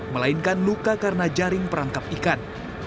melainkan luka karena jaring perangkap ikan